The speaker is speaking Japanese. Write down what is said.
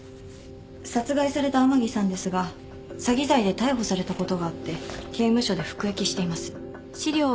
殺害された甘木さんですが詐欺罪で逮捕されたことがあって刑務所で服役しています。